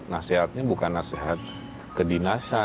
nasehatnya bukan nasehat ke dinasa